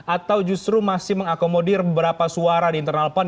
atau justru masih mengakomodir beberapa suara di internal pan